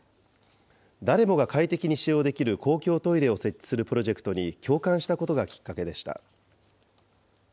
誰もが快適に使用できる公共トイレを設置するプロジェクトに共感したことがきっかけでした。